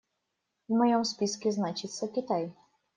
В моем списке значится Китай.